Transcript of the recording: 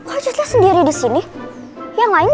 ada tega banget